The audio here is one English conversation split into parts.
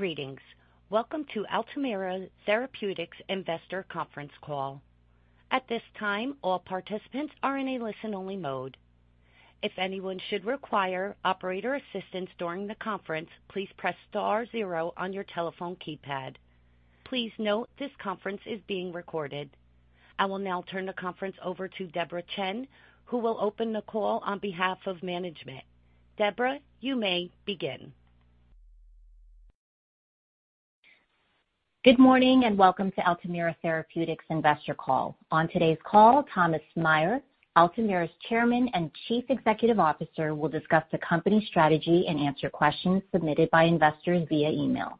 Greetings. Welcome to Altamira Therapeutics Investor Conference Call. At this time, all participants are in a listen-only mode. If anyone should require operator assistance during the conference, please press star zero on your telephone keypad. Please note this conference is being recorded. I will now turn the conference over to Deborah Chen, who will open the call on behalf of management. Deborah, you may begin. Good morning, and welcome to Altamira Therapeutics Investor Call. On today's call, Thomas Meyer, Altamira's Chairman and Chief Executive Officer, will discuss the company's strategy and answer questions submitted by investors via email.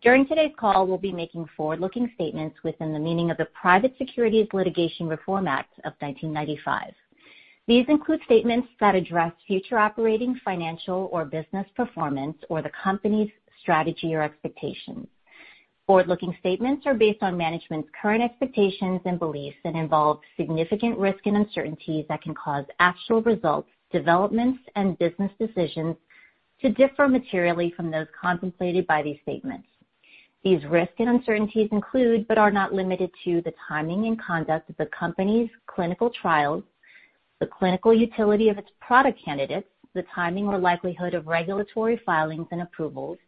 During today's call, we'll be making forward-looking statements within the meaning of the Private Securities Litigation Reform Act of 1995. These include statements that address future operating, financial or business performance or the company's strategy or expectations. Forward-looking statements are based on management's current expectations and beliefs and involve significant risk and uncertainties that can cause actual results, developments and business decisions to differ materially from those contemplated by these statements. These risks and uncertainties include, but are not limited to, the timing and conduct of the company's clinical trials, the clinical utility of its product candidates, the timing or likelihood of regulatory filings and approvals,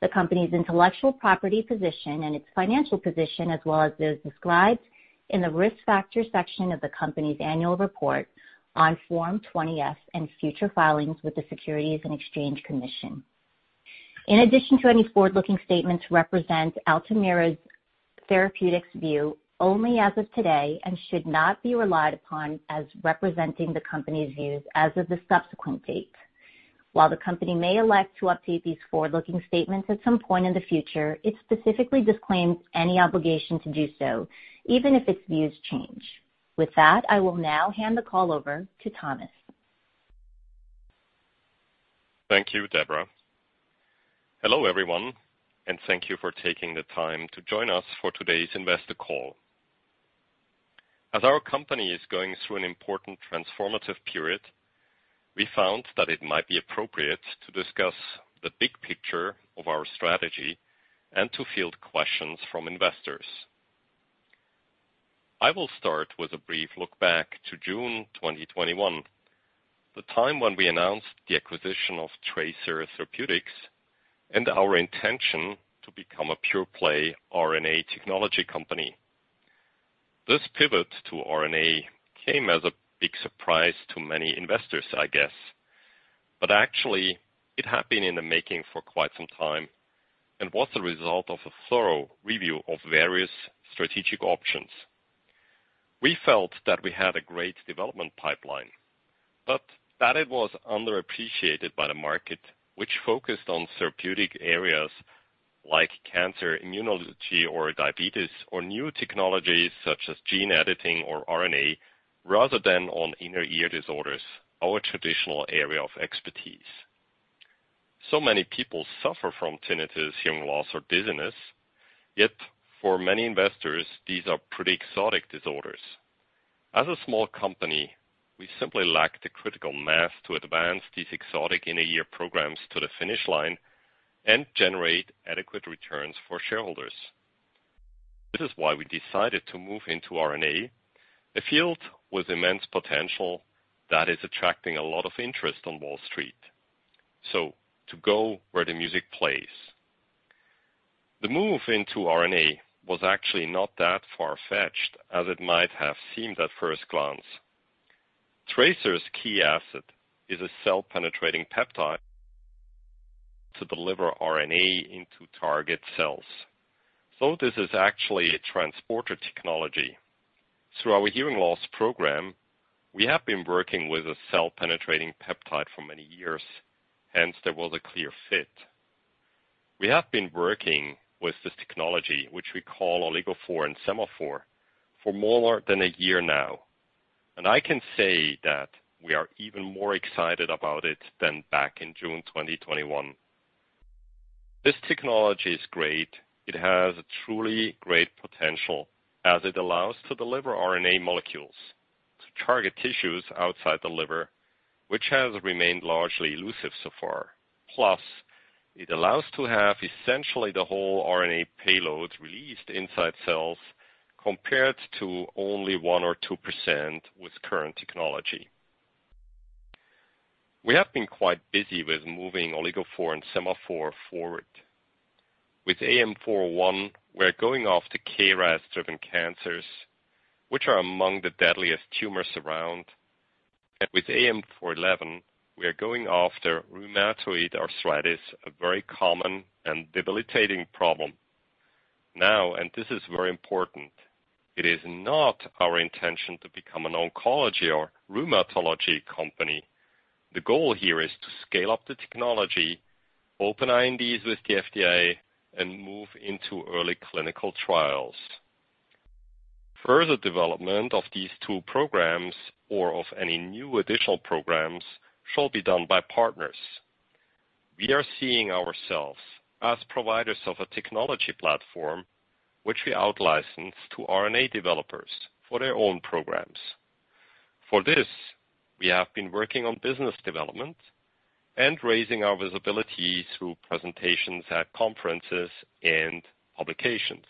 the company's intellectual property position and its financial position, as well as those described in the Risk Factors section of the company's annual report on Form 20-F and future filings with the Securities and Exchange Commission. In addition, any forward-looking statements represent Altamira Therapeutics' view only as of today and should not be relied upon as representing the company's views as of any subsequent date. While the company may elect to update these forward-looking statements at some point in the future, it specifically disclaims any obligation to do so even if its views change. With that, I will now hand the call over to Thomas Meyer. Thank you, Deborah. Hello, everyone, and thank you for taking the time to join us for today's investor call. As our company is going through an important transformative period, we found that it might be appropriate to discuss the big picture of our strategy and to field questions from investors. I will start with a brief look back to June 2021, the time when we announced the acquisition of Trasir Therapeutics and our intention to become a pure-play RNA technology company. This pivot to RNA came as a big surprise to many investors, I guess. Actually, it had been in the making for quite some time and was the result of a thorough review of various strategic options. We felt that we had a great development pipeline, but that it was underappreciated by the market, which focused on therapeutic areas like cancer, immunology or diabetes or new technologies such as gene editing or RNA rather than on inner ear disorders, our traditional area of expertise. Many people suffer from tinnitus, hearing loss or dizziness. Yet, for many investors, these are pretty exotic disorders. As a small company, we simply lack the critical mass to advance these exotic inner ear programs to the finish line and generate adequate returns for shareholders. This is why we decided to move into RNA, a field with immense potential that is attracting a lot of interest on Wall Street. To go where the music plays. The move into RNA was actually not that far-fetched as it might have seemed at first glance. Trasir's key asset is a cell-penetrating peptide to deliver RNA into target cells. This is actually a transporter technology. Through our hearing loss program, we have been working with a cell-penetrating peptide for many years, hence there was a clear fit. We have been working with this technology, which we call OligoPhore and SemaPhore, for more than a year now, and I can say that we are even more excited about it than back in June 2021. This technology is great. It has a truly great potential as it allows to deliver RNA molecules to target tissues outside the liver, which has remained largely elusive so far. Plus, it allows to have essentially the whole RNA payload released inside cells compared to only 1% or 2% with current technology. We have been quite busy with moving OligoPhore and SemaPhore forward. With AM-401, we're going after KRAS-driven cancers, which are among the deadliest tumors around. With AM-411, we are going after rheumatoid arthritis, a very common and debilitating problem. Now, this is very important, it is not our intention to become an oncology or rheumatology company. The goal here is to scale up the technology, open INDs with the FDA and move into early clinical trials. Further development of these two programs or of any new additional programs shall be done by partners. We are seeing ourselves as providers of a technology platform which we out-license to RNA developers for their own programs. For this, we have been working on business development and raising our visibility through presentations at conferences and publications.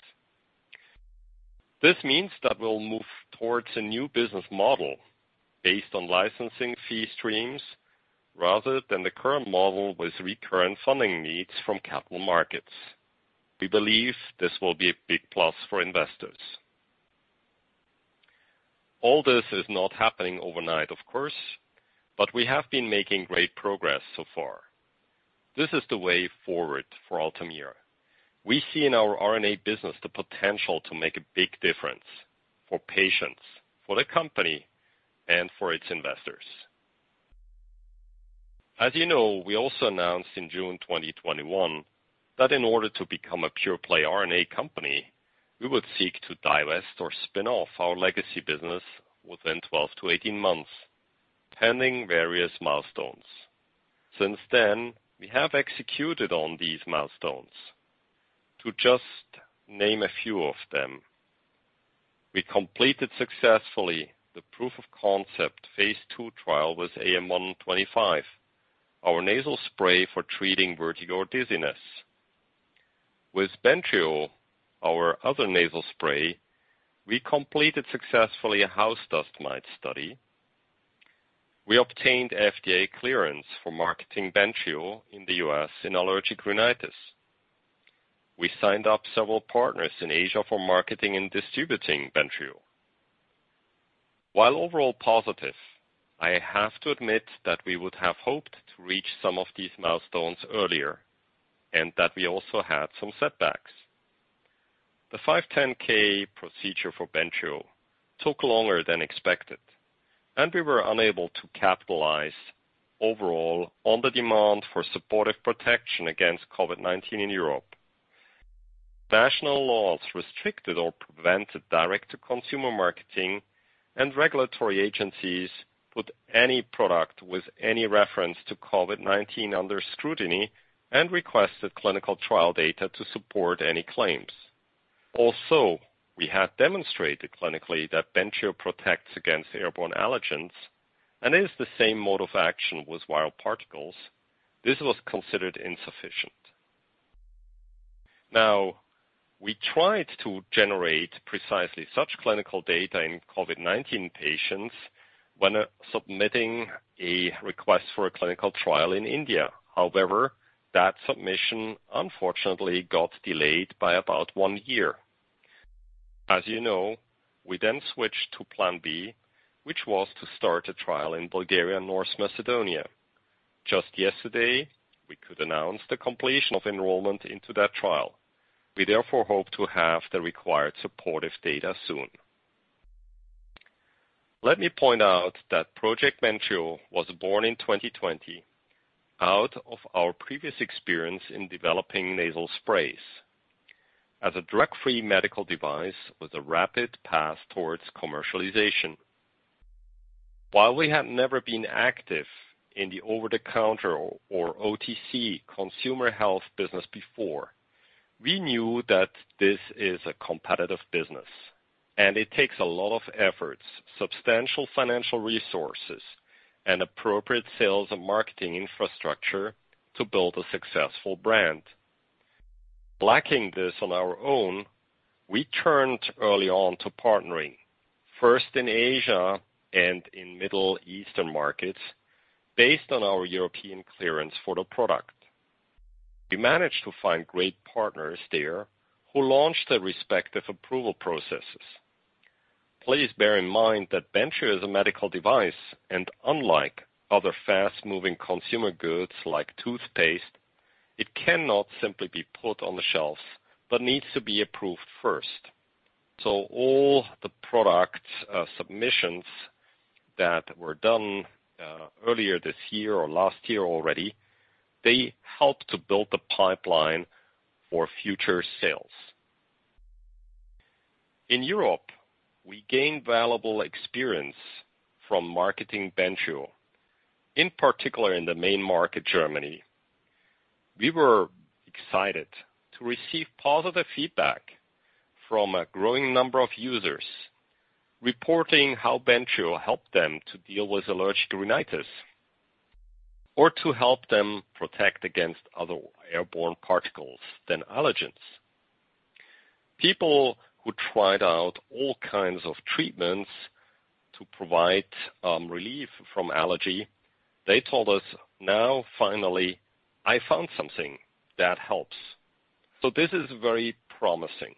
This means that we'll move towards a new business model based on licensing fee streams rather than the current model with recurrent funding needs from capital markets. We believe this will be a big plus for investors. All this is not happening overnight, of course, but we have been making great progress so far. This is the way forward for Altamira. We see in our RNA business the potential to make a big difference for patients, for the company, and for its investors. As you know, we also announced in June 2021 that in order to become a pure-play RNA company, we would seek to divest or spin off our legacy business within 12-18 months, pending various milestones. Since then, we have executed on these milestones. To just name a few of them, we completed successfully the proof of concept phase ll trial with AM-125, our nasal spray for treating vertigo or dizziness. With Bentrio, our other nasal spray, we completed successfully a house dust mite study. We obtained FDA clearance for marketing Bentrio in the U.S. in allergic rhinitis. We signed up several partners in Asia for marketing and distributing Bentrio. While overall positive, I have to admit that we would have hoped to reach some of these milestones earlier, and that we also had some setbacks. The 510(k) procedure for Bentrio took longer than expected, and we were unable to capitalize overall on the demand for supportive protection against COVID-19 in Europe. National laws restricted or prevented direct-to-consumer marketing and regulatory agencies put any product with any reference to COVID-19 under scrutiny and requested clinical trial data to support any claims. Also, we had demonstrated clinically that Bentrio protects against airborne allergens and is the same mode of action with viral particles. This was considered insufficient. Now, we tried to generate precisely such clinical data in COVID-19 patients when submitting a request for a clinical trial in India. However, that submission unfortunately got delayed by about one year. As you know, we then switched to plan B, which was to start a trial in Bulgaria, North Macedonia. Just yesterday, we could announce the completion of enrollment into that trial. We therefore hope to have the required supportive data soon. Let me point out that Project Bentrio was born in 2020 out of our previous experience in developing nasal sprays as a drug-free medical device with a rapid path towards commercialization. While we had never been active in the over-the-counter or OTC consumer health business before, we knew that this is a competitive business and it takes a lot of efforts, substantial financial resources and appropriate sales and marketing infrastructure to build a successful brand. Lacking this on our own, we turned early on to partnering, first in Asia and in Middle Eastern markets based on our European clearance for the product. We managed to find great partners there who launched their respective approval processes. Please bear in mind that Bentrio is a medical device, and unlike other fast-moving consumer goods like toothpaste, it cannot simply be put on the shelves but needs to be approved first. All the product submissions that were done earlier this year or last year already, they helped to build the pipeline for future sales. In Europe, we gained valuable experience from marketing Bentrio, in particular in the main market, Germany. We were excited to receive positive feedback from a growing number of users reporting how Bentrio helped them to deal with allergic rhinitis or to help them protect against other airborne particles than allergens. People who tried out all kinds of treatments to provide relief from allergy, they told us, "Now finally I found something that helps." This is very promising.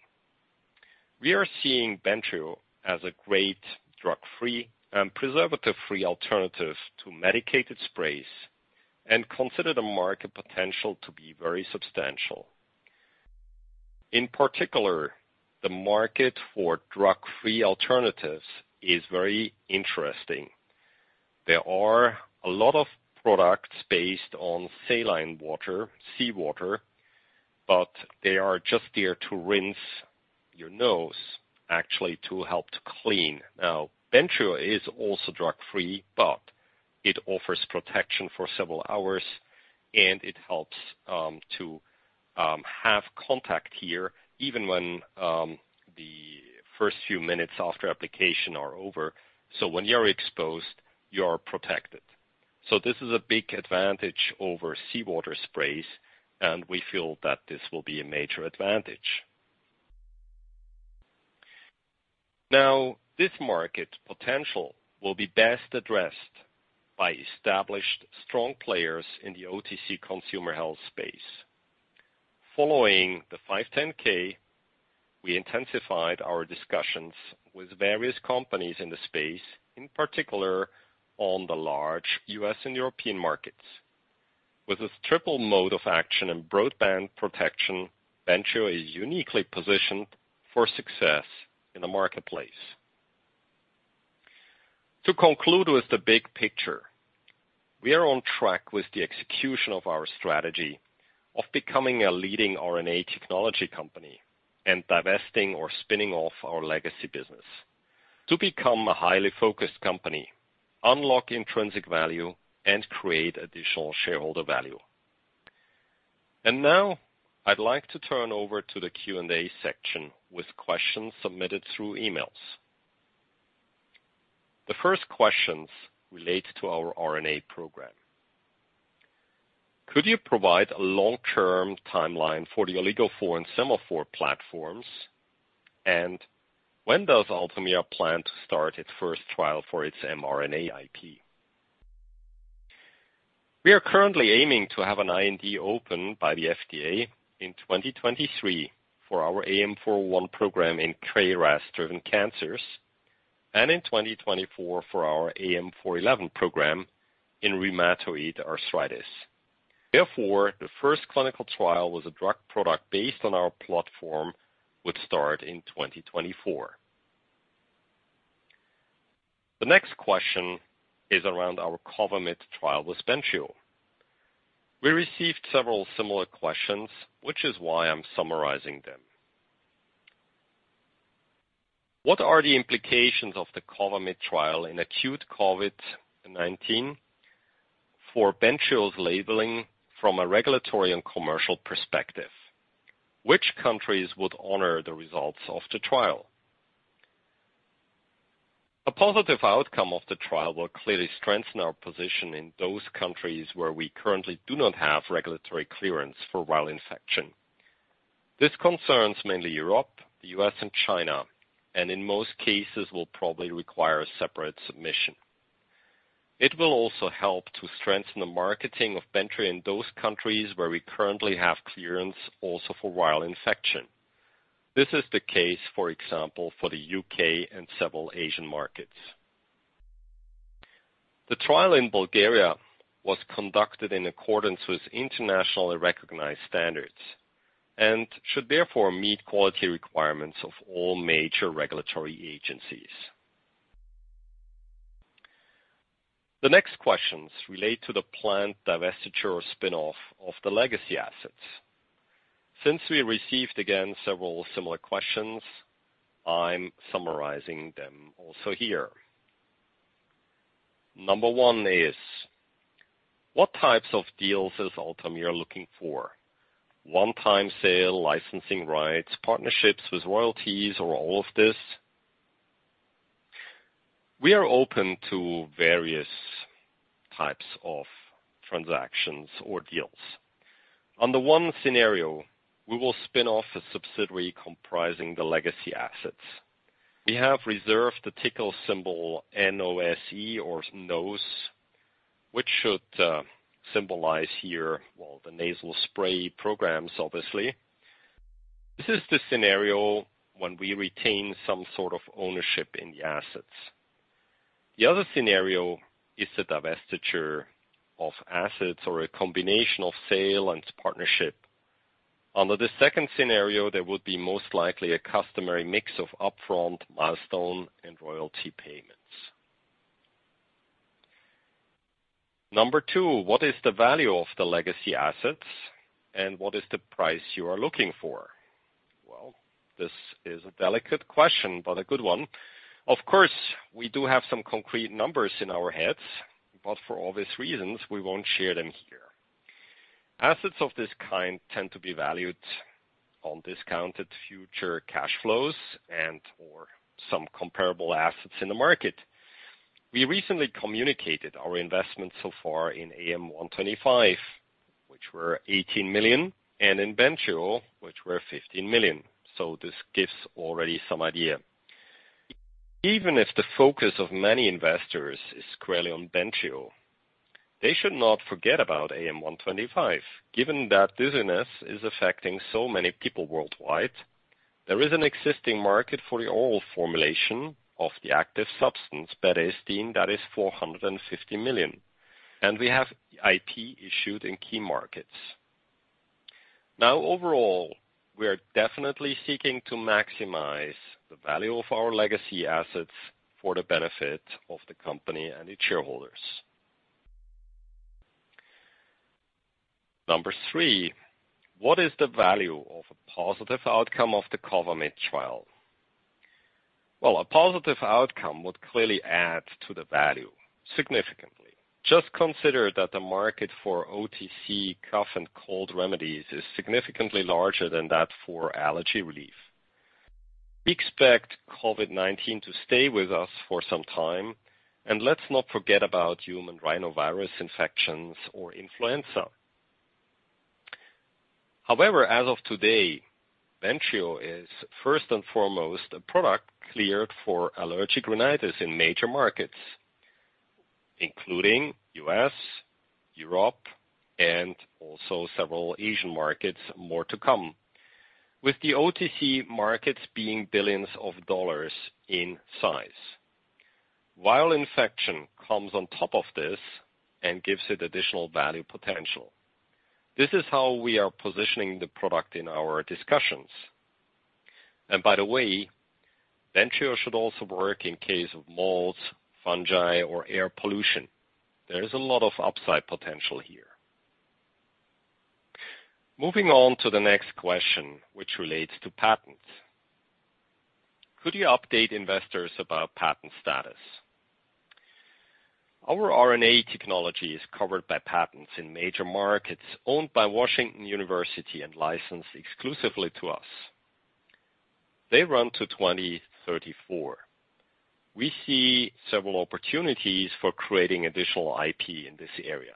We are seeing Bentrio as a great drug-free and preservative-free alternative to medicated sprays and consider the market potential to be very substantial. In particular, the market for drug-free alternatives is very interesting. There are a lot of products based on saline water, seawater, but they are just there to rinse your nose, actually to help to clean. Now, Bentrio is also drug-free, but it offers protection for several hours, and it helps to have contact here even when the first few minutes after application are over. When you're exposed, you are protected. This is a big advantage over seawater sprays, and we feel that this will be a major advantage. Now, this market potential will be best addressed by established strong players in the OTC consumer health space. Following the 510(k), we intensified our discussions with various companies in the space, in particular on the large U.S. and European markets. With a triple mode of action and broadband protection, Bentrio is uniquely positioned for success in the marketplace. To conclude with the big picture, we are on track with the execution of our strategy of becoming a leading RNA technology company and divesting or spinning off our legacy business to become a highly focused company, unlock intrinsic value, and create additional shareholder value. Now I'd like to turn over to the Q&A section with questions submitted through emails. The first questions relate to our RNA program. Could you provide a long-term timeline for the OligoPhore and SemaPhore platforms? When does Altamira plan to start its first trial for its mRNA IP? We are currently aiming to have an IND open by the FDA in 2023 for our AM-401 program in KRAS-driven cancers, and in 2024 for our AM-411 program in rheumatoid arthritis. Therefore, the first clinical trial with a drug product based on our platform would start in 2024. The next question is around our COVAMID trial with Bentrio. We received several similar questions, which is why I'm summarizing them. What are the implications of the COVAMID trial in acute COVID-19 for Bentrio's labeling from a regulatory and commercial perspective? Which countries would honor the results of the trial? A positive outcome of the trial will clearly strengthen our position in those countries where we currently do not have regulatory clearance for viral infection. This concerns mainly Europe, the U.S., and China, and in most cases will probably require a separate submission. It will also help to strengthen the marketing of Bentrio in those countries where we currently have clearance also for viral infection. This is the case, for example, for the U.K. and several Asian markets. The trial in Bulgaria was conducted in accordance with internationally recognized standards and should therefore meet quality requirements of all major regulatory agencies. The next questions relate to the planned divestiture or spin-off of the legacy assets. Since we received, again, several similar questions, I'm summarizing them also here. Number one is, what types of deals is Altamira looking for? One-time sale, licensing rights, partnerships with royalties or all of this. We are open to various types of transactions or deals. Under one scenario, we will spin off a subsidiary comprising the legacy assets. We have reserved the ticker symbol NOSE or nose, which should symbolize here, the nasal spray programs, obviously. This is the scenario when we retain some sort of ownership in the assets. The other scenario is the divestiture of assets or a combination of sale and partnership. Under the second scenario, there would be most likely a customary mix of upfront milestone and royalty payments. Number two, what is the value of the legacy assets, and what is the price you are looking for? Well, this is a delicate question, but a good one. Of course, we do have some concrete numbers in our heads, but for obvious reasons, we won't share them here. Assets of this kind tend to be valued on discounted future cash flows and/or some comparable assets in the market. We recently communicated our investment so far in AM-125, which were $18 million, and in Bentrio, which were $15 million. This gives already some idea. Even if the focus of many investors is squarely on Bentrio, they should not forget about AM-125. Given that dizziness is affecting so many people worldwide, there is an existing market for the oral formulation of the active substance, betahistine, that is $450 million, and we have IP issued in key markets. Now overall, we are definitely seeking to maximize the value of our legacy assets for the benefit of the company and its shareholders. Number three, what is the value of a positive outcome of the COVID trial? Well, a positive outcome would clearly add to the value significantly. Just consider that the market for OTC cough and cold remedies is significantly larger than that for allergy relief. We expect COVID-19 to stay with us for some time, and let's not forget about human rhinovirus infections or influenza. However, as of today, Bentrio is first and foremost a product cleared for allergic rhinitis in major markets, including U.S., Europe, and also several Asian markets, more to come, with the OTC markets being $ billions in size. While infection comes on top of this and gives it additional value potential, this is how we are positioning the product in our discussions. By the way, Bentrio should also work in case of molds, fungi, or air pollution. There is a lot of upside potential here. Moving on to the next question, which relates to patents. Could you update investors about patent status? Our RNA technology is covered by patents in major markets owned by Washington University and licensed exclusively to us. They run to 2034. We see several opportunities for creating additional IP in this area.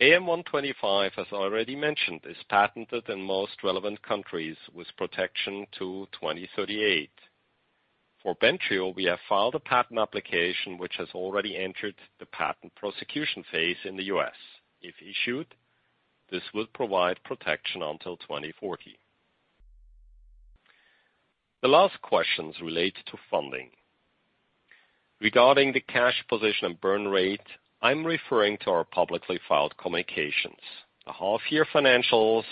AM-125, as already mentioned, is patented in most relevant countries with protection to 2038. For Bentrio, we have filed a patent application which has already entered the patent prosecution phase in the U.S. If issued, this will provide protection until 2040. The last questions relate to funding. Regarding the cash position and burn rate, I'm referring to our publicly filed communications. The half-year financials,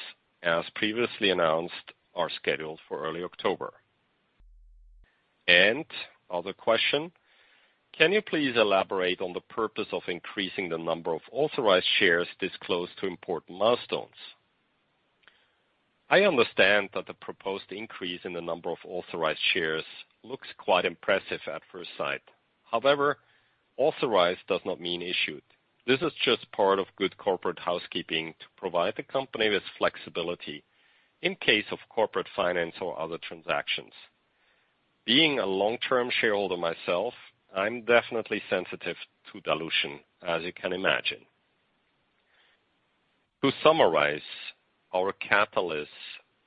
as previously announced, are scheduled for early October. Other question, can you please elaborate on the purpose of increasing the number of authorized shares disclosed to important milestones? I understand that the proposed increase in the number of authorized shares looks quite impressive at first sight. However, authorized does not mean issued. This is just part of good corporate housekeeping to provide the company with flexibility in case of corporate finance or other transactions. Being a long-term shareholder myself, I'm definitely sensitive to dilution, as you can imagine. To summarize our catalysts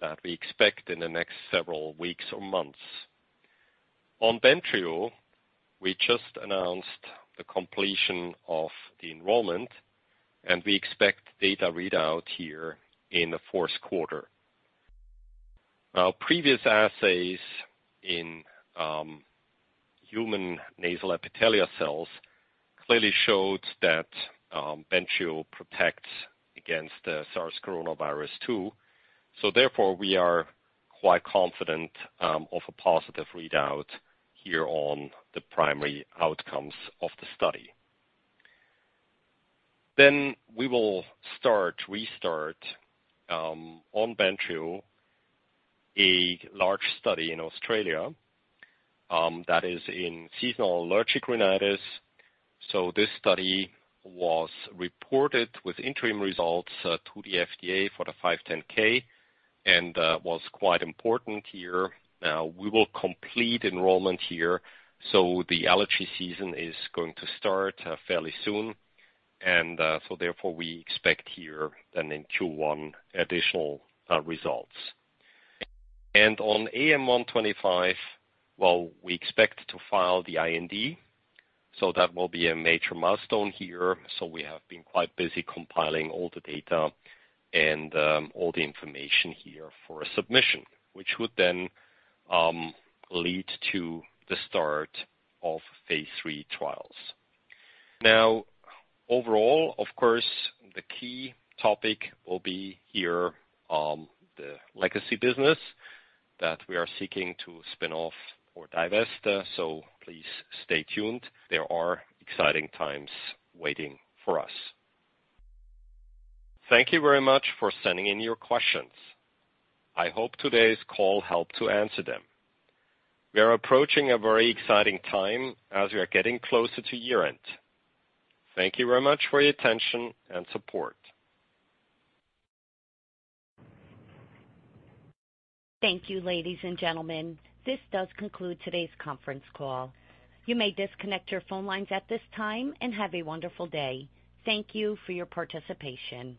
that we expect in the next several weeks or months. On Bentrio, we just announced the completion of the enrollment, and we expect data readout here in the fourth quarter. Our previous assays in human nasal epithelial cells clearly showed that Bentrio protects against the SARS-CoV-2. Therefore, we are quite confident of a positive readout here on the primary outcomes of the study. We will restart on Bentrio a large study in Australia that is in seasonal allergic rhinitis. This study was reported with interim results to the FDA for the 510(k) and was quite important here. Now we will complete enrollment here, so the allergy season is going to start fairly soon. We expect here then in Q1 additional results. On AM-125, well, we expect to file the IND, so that will be a major milestone here. We have been quite busy compiling all the data and all the information here for a submission, which would then lead to the start of phase lll trials. Now, overall, of course, the key topic will be here the legacy business that we are seeking to spin off or divest. Please stay tuned. There are exciting times waiting for us. Thank you very much for sending in your questions. I hope today's call helped to answer them. We are approaching a very exciting time as we are getting closer to year-end. Thank you very much for your attention and support. Thank you, ladies and gentlemen. This does conclude today's conference call. You may disconnect your phone lines at this time and have a wonderful day. Thank you for your participation.